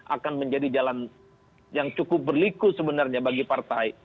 akan menjadi jalan yang cukup berliku sebenarnya bagi partai